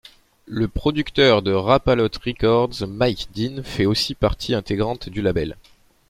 Le producteur de Rap-A-Lot Records Mike Dean fait aussi partie intégrante du label.